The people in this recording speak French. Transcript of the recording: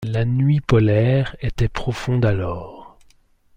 La nuit polaire était profonde alors.